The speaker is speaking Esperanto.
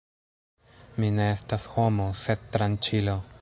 Mi ne estas homo, sed tranĉilo!